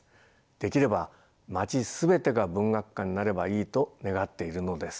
できれば街全てが文学館になればいいと願っているのです。